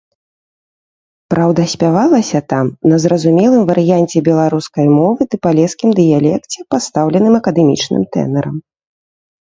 Праўда, спявалася там на зразумелым варыянце беларускай мовы ды палескім дыялекце пастаўленым акадэмічным тэнарам.